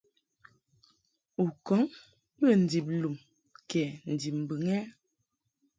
U kɔŋ bə ndib mbɨŋ kɛ ndib lum ɛ?